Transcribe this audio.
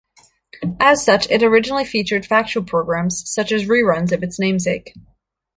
As such, it originally featured factual programs, such as reruns of its namesake.